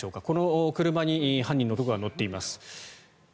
この車に犯人の男が乗っています。